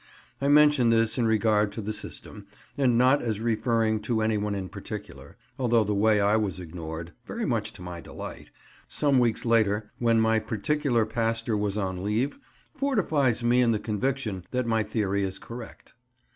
I mention this in regard to the system, and not as referring to anyone in particular, although the way I was ignored (very much to my delight) some weeks later, when my particular pastor was on leave, fortifies me in the conviction that my theory is correct.